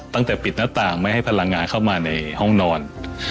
ตั้งแต่ปิดหน้าต่างไม่ให้พลังงานเข้ามาในห้องนอน